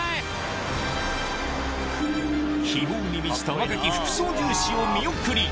希望に満ちた若き副操縦士を見送り